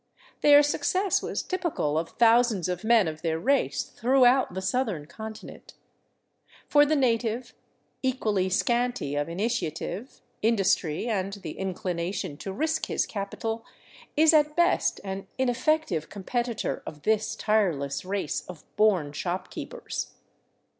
Their success was typical of thousands of men of their race throughout the southern continent. For the native, equally scanty of initiative, industry, and the inclination to risk his capital, is at best an ineffective competitor of this tireless race of born shopkeepers.